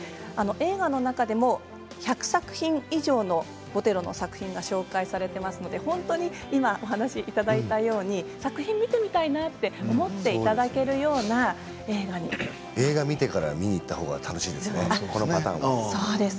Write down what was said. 映画の中でも１００作品以上のボテロの作品が紹介されていますので本当にお話しいただいたように作品を見てみたいなと思っていただけるような映画になっています。